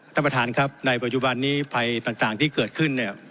ท่านประธานครับในปัจจุบันนี้ภัยต่างที่เกิดขึ้นเนี่ย